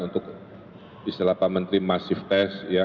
untuk di selapa menteri masif tes